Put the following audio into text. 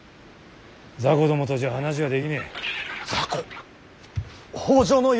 雑魚どもとじゃ話はできねえ。